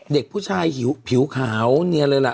เด็กผู้ชายผิวขาวเนียนเลยล่ะ